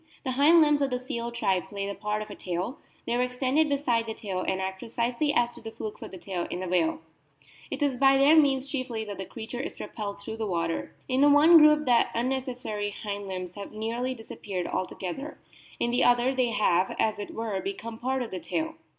The hind limbs of the seal tribe play the part of a tail ; they are extended beside the tail and act precisely as do the flukes of the tail in the whale ; it is by their means chiefly that the creature is propelled through the water. In the one group the unnecessary hind limbs have nearly disappeared altogether ; in the other they have, as it were, become part of the tail.